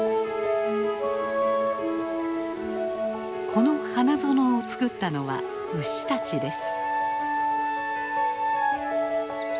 この花園をつくったのは牛たちです。